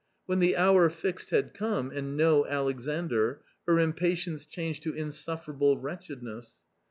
When the hour fixed had come, and no Alexandr, her impatience changed to insufferable wretchedness.